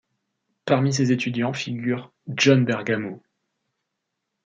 Parmi ses étudiants figure John Bergamo.